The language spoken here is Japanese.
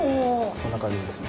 こんな感じですね。